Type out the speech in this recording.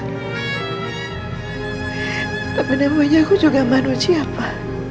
tapi namanya aku juga manusia pa